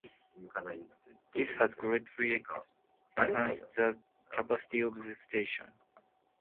This has greatly enhanced the capacity of the station.